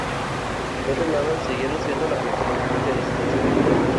Por otro lado, siguieron siendo la principal fuente de asistencia militar.